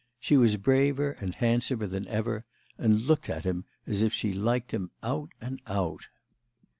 She was braver and handsomer than ever and looked at him as if she liked him out and out.